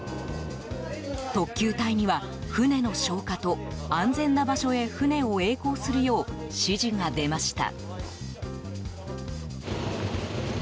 特救隊には、船の消火と安全な場所へ船をえい航するよう指示が出ました。